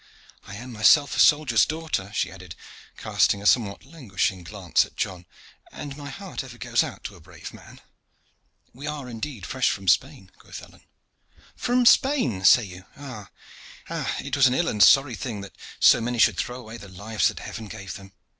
I am myself a soldier's daughter," she added, casting a somewhat languishing glance at John, "and my heart ever goes out to a brave man." "We are indeed fresh from Spain," quoth Alleyne. "From Spain, say you? Ah! it was an ill and sorry thing that so many should throw away the lives that Heaven gave them.